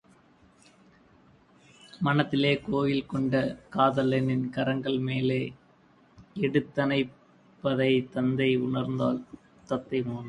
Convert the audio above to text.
மனத்திலே கோயில்கொண்ட காதலனின் கரங்கள் மேலே எடுத்தணைப்பதைத் தத்தை உணர்ந்தாள்.